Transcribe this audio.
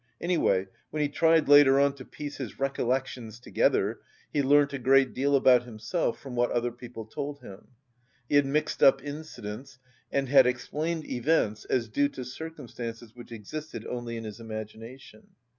Anyway, when he tried later on to piece his recollections together, he learnt a great deal about himself from what other people told him. He had mixed up incidents and had explained events as due to circumstances which existed only in his imagination.